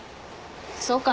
そうかな？